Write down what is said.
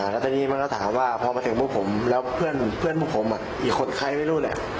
แล้วทีนี้มันก็ถามว่าพอมาถึงพวกผมแล้วเพื่อนพวกผมอีกคนใครไม่รู้แหละ